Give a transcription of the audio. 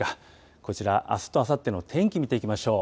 こちら、あすとあさっての天気見ていきましょう。